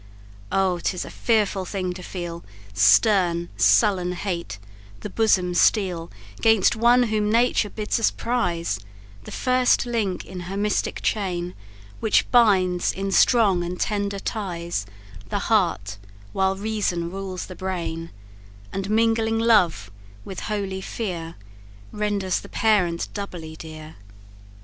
Oh, 'tis a fearful thing to feel Stern, sullen hate, the bosom steel 'Gainst one whom nature bids us prize The first link in her mystic chain; Which binds in strong and tender ties The heart, while reason rules the brain, And mingling love with holy fear, Renders the parent doubly dear.